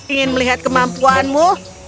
ingin melihat kemampuanmu